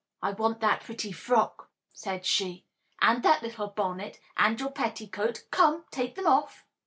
"I want that pretty frock," said she, "and that little bonnet and your petticoat. Come! Take them off!"